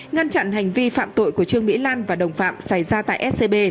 ngăn chặn hành vi phạm tội của trương mỹ lan và đồng phạm xảy ra tại scb